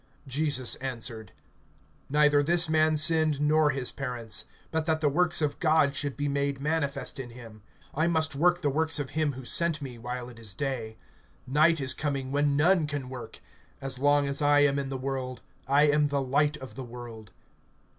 (3)Jesus answered: Neither this man sinned, nor his parents; but that the works of God should be made manifest in him. (4)I must work the works of him who sent me, while it is day. Night is coming, when none can work. (5)As long as I am in the world, I am the light of the world.